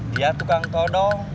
dia tukang todong